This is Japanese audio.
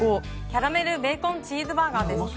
キャラメルベーコンチーズバーガーです。